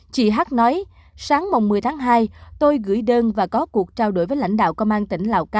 chị hát nói sáng mồng một mươi tháng hai tôi gửi đơn và có cuộc trao đổi với lãnh đạo công an tỉnh lào cai